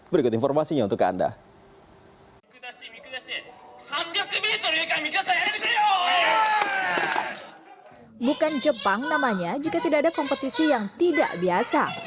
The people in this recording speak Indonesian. berikut informasinya untuk anda tiga ratus m bukan jepang namanya jika tidak ada kompetisi yang tidak biasa